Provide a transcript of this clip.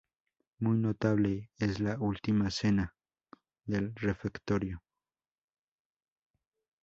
Muy notable es la "Última Cena" del refectorio.